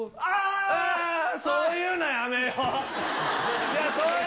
そういうのやめよう。